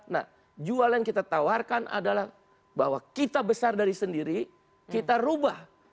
nah jualan kita tawarkan adalah bahwa kita besar dari sendiri kita rubah